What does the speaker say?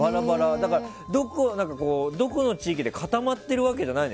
だから、どこかの地域で固まっているわけじゃないね。